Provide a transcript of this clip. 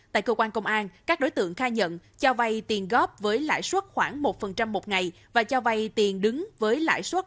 tại cơ quan công an các đối tượng khai nhận cho vay tiền góp với lãi suất khoảng một một ngày và cho vay tiền đứng với lãi suất